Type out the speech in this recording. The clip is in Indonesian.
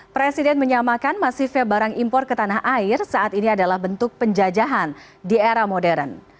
presiden menyamakan masifnya barang impor ke tanah air saat ini adalah bentuk penjajahan di era modern